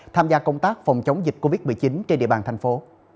tham gia công tác phòng chống dịch covid một mươi chín trên địa bàn thành phố